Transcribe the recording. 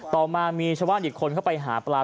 ต่อมามีชาวบ้านอีกคนเข้าไปหาปลา